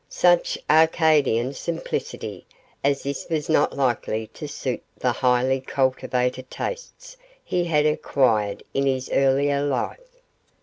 Such Arcadian simplicity as this was not likely to suit the highly cultivated tastes he had acquired in his earlier life.